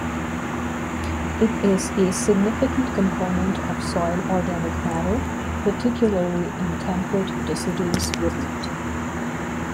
It is a significant component of soil organic matter, particularly in temperate deciduous woodland.